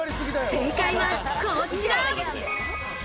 正解は、こちら。